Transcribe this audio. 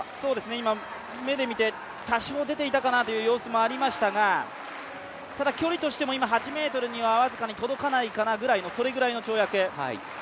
今、目で見て多少出ていたかなという様子もありましたがただ、距離としても８ｍには僅かに届かないぐらいの跳躍。